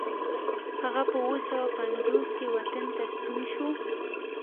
هغه په اوه سوه پنځوس کې وطن ته ستون شو.